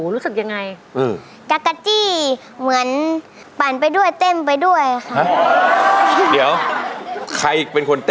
ร้องสักเพลงหนึ่งดีไหม